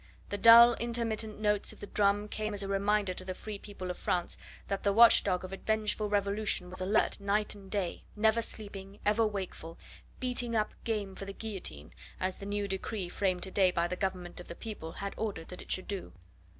The dull, intermittent notes of the drum came as a reminder to the free people of France that the watchdog of a vengeful revolution was alert night and day, never sleeping, ever wakeful, "beating up game for the guillotine," as the new decree framed to day by the Government of the people had ordered that it should do.